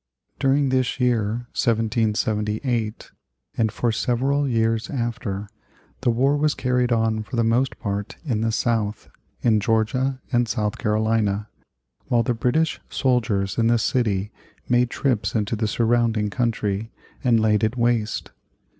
During this year 1778, and for several years after, the war was carried on for the most part in the South, in Georgia and South Carolina, while the British soldiers in the city made trips into the surrounding country and laid it waste.